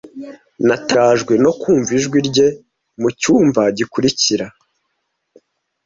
Natangajwe no kumva ijwi rye mucyumba gikurikira.